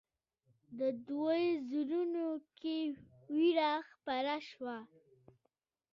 د دوی زړونو کې وېره خپره شوه.